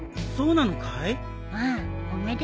そうなのかい？